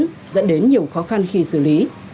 hướng dẫn dẫn đến nhiều khó khăn khi xử lý